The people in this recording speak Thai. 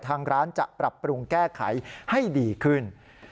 ทางร้านจะปรับปรุงแก้ไขให้ดีขึ้น